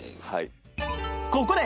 ここで